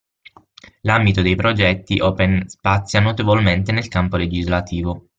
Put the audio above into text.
L'ambito dei progetti open spazia notevolmente nel campo legislativo.